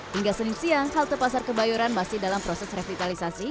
hingga senin siang halte pasar kebayoran masih dalam proses revitalisasi